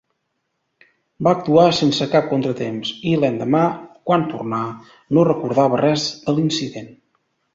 Va actuar sense cap contratemps, i l'endemà, quan tornà, no recordava res de l'incident.